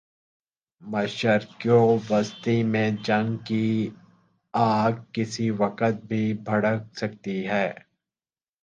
مشرق وسطی میں جنگ کی آگ کسی وقت بھی بھڑک سکتی ہے۔